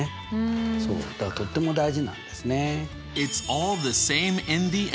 だからとっても大事なんですね。